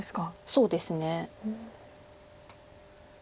そうですね。